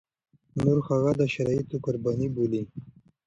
نور هغه د شرايطو قرباني بولي.